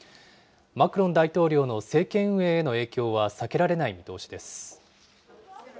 マクロン大統領の政権運営への影響は避けられない見通しです。